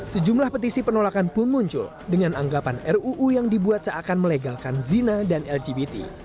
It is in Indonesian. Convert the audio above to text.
sejumlah petisi penolakan pun muncul dengan anggapan ruu yang dibuat seakan melegalkan zina dan lgbt